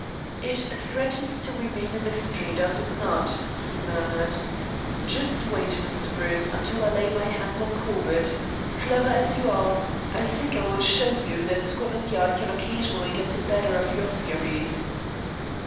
"It threatens to remain a mystery, does it not?" he murmured. "Just wait, Mr. Bruce, until I lay my hands on Corbett. Clever as you are, I think I will show you that Scotland Yard can occasionally get the better of your theories.